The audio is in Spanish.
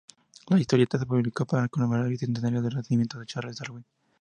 La historieta se publicó para conmemorar el bicentenario del nacimiento de Charles Darwin.